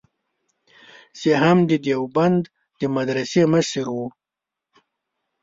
چې هم د دیوبند د مدرسې مشر و.